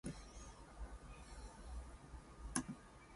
The park also contains four basketball courts and play structures.